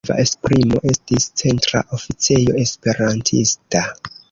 Alternativa esprimo estis "Centra Oficejo Esperantista".